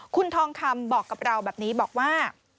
คุณทองคำบอกกับเราแบบนี้บอกว่า